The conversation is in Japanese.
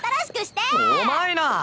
お前な！